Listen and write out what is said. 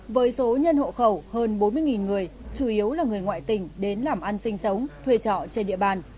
với số nhân hộ khẩu hơn bốn mươi người chủ yếu là người ngoại tỉnh đến làm ăn sinh sống thuê trọ trên địa bàn